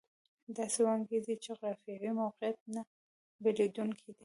داسې وانګېري چې جغرافیوي موقعیت نه بدلېدونکی دی.